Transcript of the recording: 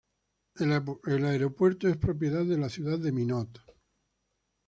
El aeropuerto es propiedad de la ciudad de Minot.